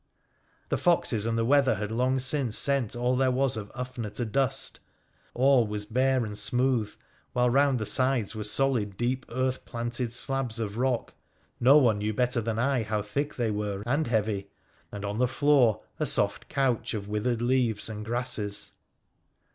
The foxes and the weather had long since sent all there was of Ufner to dust. All was bare and smooth, while round the sides were solid deep earth planted slabs of rock — no one knew better than I how thick they were and heavy !— and on the floor a soft couch of withered leaves and grasses.